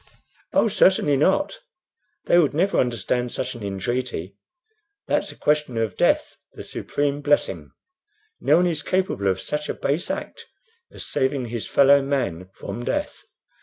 "Oh, certainly not; they would never understand such an entreaty. That's a question of death, the supreme blessing. No one is capable of such a base act as saving his fellow man from death.